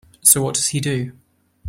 So what does he do?